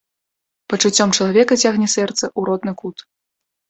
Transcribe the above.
Пачуццём чалавека цягне сэрца ў родны кут.